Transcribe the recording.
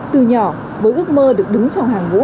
từ nhỏ với ước mơ được đứng trong hàng ngũ